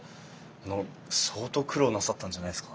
あの相当苦労なさったんじゃないですか？